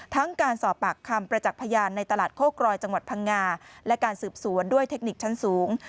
การสอบปากคำประจักษ์พยานในตลาดโคกรอยจังหวัดพังงาและการสืบสวนด้วยเทคนิคชั้นสูง